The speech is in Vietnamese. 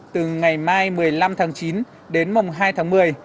từ ngày mai một mươi năm tháng chín đến mùng hai tháng một mươi